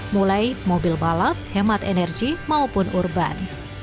mulai mobil balap hemat energi maupun urban